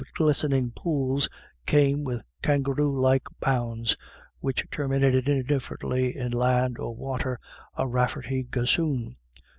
glistening pools came, with kangaroo like bounds which terminated indifferently in land or water, a Raflerty gossoon.